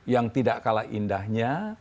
yang tidak kalah indahnya